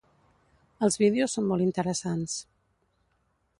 Els vídeos són molt interessants.